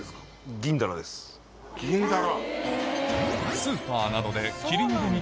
銀だら。